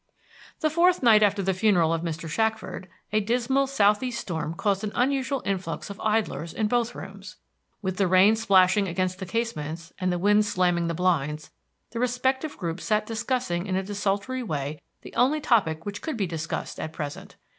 The fourth night after the funeral of Mr. Shackford, a dismal southeast storm caused an unusual influx of idlers in both rooms. With the rain splashing against the casements and the wind slamming the blinds, the respective groups sat discussing in a desultory way the only topic which could be discussed at present.